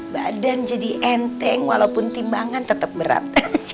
badan jadi enteng walaupun timbangan tetap berat